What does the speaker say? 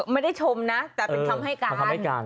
ไม่ได้ชมนะแต่เป็นคำให้การ